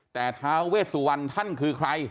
แต่ท้าเวสวรรณท่านคือใคร